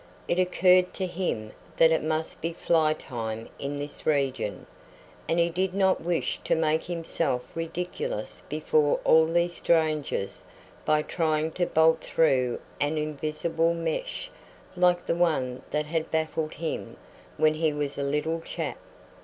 It occurred to him that it must be fly time in this region, and he did not wish to make himself ridiculous before all these strangers by trying to bolt through an invisible mesh like the one that had baffled him when he was a little chap.